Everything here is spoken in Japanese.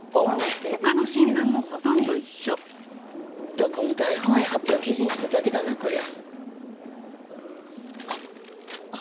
どこも大本営発表を記事にしただけだなこりゃ。